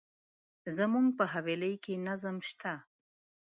زموږ په حویلی کي نظم شته.